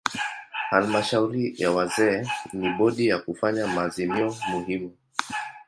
Halmashauri ya wazee ni bodi ya kufanya maazimio muhimu.